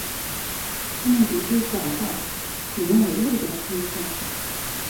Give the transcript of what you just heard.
他们必须找到名为怒的村庄。